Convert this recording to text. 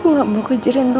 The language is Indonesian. hai anak kamu dengan roy